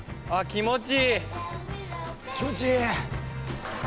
気持ちいい。